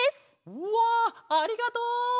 うわありがとう！